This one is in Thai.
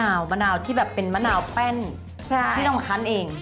น้ำมะนาวที่แบบเป็นมะนาวแป้นที่เรามีขั้นเอง